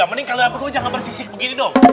mending kalian jangan bersisik begini dong